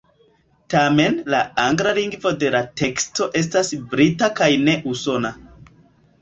Tamen la angla lingvo de la teksto estas brita kaj ne usona.